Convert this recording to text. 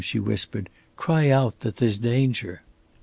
she whispered. "Cry out that there's danger."